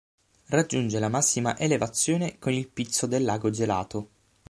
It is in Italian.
Raggiunge la massima elevazione con il Pizzo del Lago Gelato.